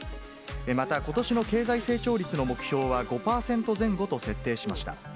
またことしの経済成長率の目標は５％前後と設定しました。